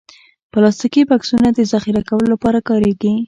پلاستيکي بکسونه د ذخیره کولو لپاره کارېږي.